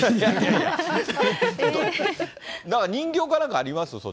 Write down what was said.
なんか人形かなんかあります？